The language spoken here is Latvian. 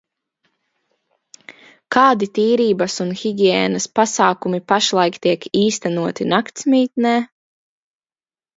Kādi tīrības un higiēnas pasākumi pašlaik tiek īstenoti naktsmītnē?